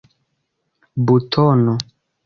butono